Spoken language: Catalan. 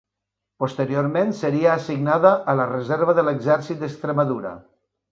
Posteriorment seria assignada a la reserva de l'Exèrcit d'Extremadura.